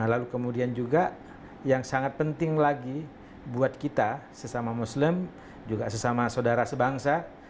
lalu kemudian juga yang sangat penting lagi buat kita sesama muslim juga sesama saudara sebangsa